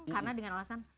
karena dengan alasan